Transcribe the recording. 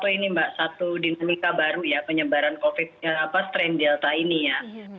ini satu dinamika baru ya penyebaran covid yang apa strain delta ini ya